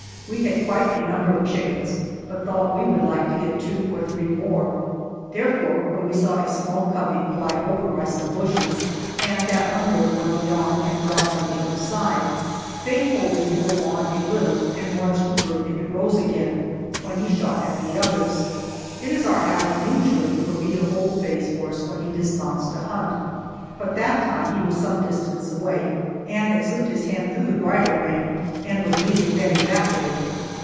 We had quite a number of chickens, but thought we would like to get two or three more; therefore, when we saw a small covey fly over by some bushes, and that one bird went beyond and dropped on the other side, Faye told me to go on a little, and watch that bird if it rose again when he shot at the others. It is our habit usually for me to hold Faye's horse when he dismounts to hunt, but that time he was some distance away, and had slipped his hand through the bridle rein and was leading Bettie that way.